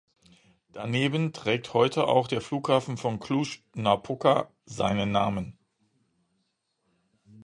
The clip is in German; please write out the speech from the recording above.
Daneben trägt heute auch der Flughafen von Cluj-Napoca seinen Namen.